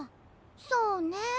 そうね。